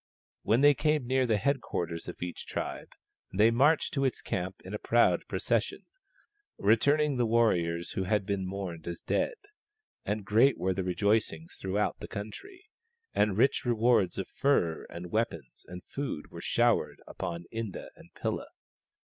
When they came near the head quarters of each tribe they marched to its camp in a proud procession, returning the warriors who had been mourned as dead : and great were tlie rejoicings throughout the country, and rich rewards of furs and weapons and food were showered upon Inda and Pilla.